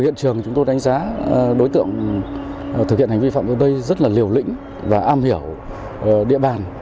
hiện trường chúng tôi đánh giá đối tượng thực hiện hành vi phạm tội đây rất là liều lĩnh và am hiểu địa bàn